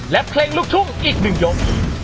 และกระดาฬรุ่งชุม๑ยก